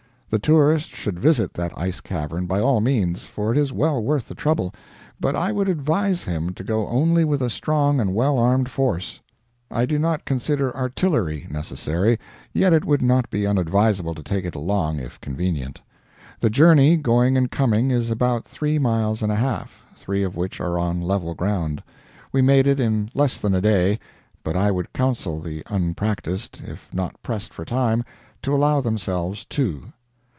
The tourist should visit that ice cavern, by all means, for it is well worth the trouble; but I would advise him to go only with a strong and well armed force. I do not consider artillery necessary, yet it would not be unadvisable to take it along, if convenient. The journey, going and coming, is about three miles and a half, three of which are on level ground. We made it in less than a day, but I would counsel the unpracticed if not pressed for time to allow themselves two.